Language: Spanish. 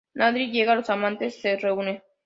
Nadir llega y los amantes se reúnen.